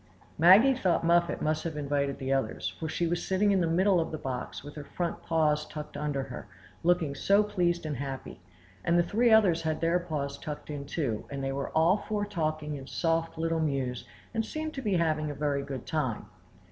Maggie thought Muffet must have invited the others, for she was sitting in the middle of the box with her front paws tucked under her, looking so pleased and happy; and the three others had their paws tucked in too, and they were all four talking in little soft mews, and seemed to be having a very good time.